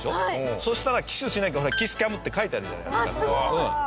そしたらキスしなきゃほら「ＫｉｓｓＣａｍ」って書いてあるじゃないですか。